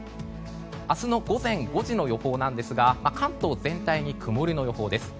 明日の午前５時の予報なんですが関東全体に曇りの予報です。